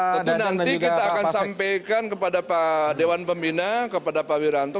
tentu nanti kita akan sampaikan kepada pak dewan pembina kepada pak wiranto